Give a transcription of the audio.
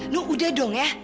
no udah dong ya